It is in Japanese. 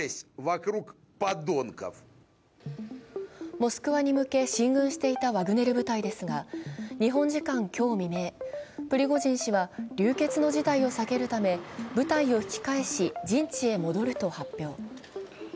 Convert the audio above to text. モスクワに向け進軍していたワグネル部隊ですが日本時間今日未明、プリゴジン氏は流血の事態を避けるため部隊を引き返し陣地へ戻ると発表。